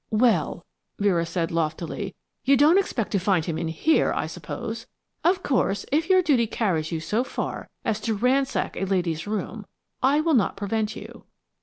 "Well," Vera said, loftily, "you don't expect to find him in here, I suppose? Of course, if your duty carries you so far as to ransack a lady's room, I will not prevent you."